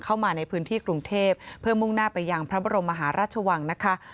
เข้ามาในพื้นที่กรุงเทพเพื่อมุ่งหน้าไปยังพระบรมมหาราชวังนะคะ